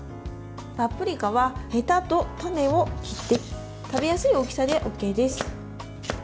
パプリカはヘタと種を切って食べやすい大きさでＯＫです。